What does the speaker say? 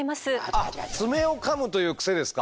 あっ爪をかむというクセですか。